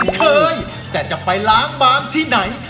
เคยแต่จะไปล้างบางที่ไหน